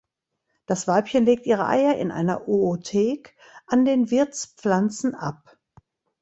Das Weibchen legt ihre Eier in einer Oothek an den Wirtspflanzen ab.